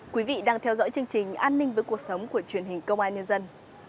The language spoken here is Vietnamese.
quý vị đang theo dõi chương trình an ninh với cuộc sống của truyền hình công an nhân dân